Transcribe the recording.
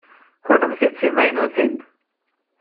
Kennemti d timaynutin?